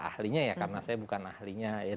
ahlinya ya karena saya bukan ahlinya ya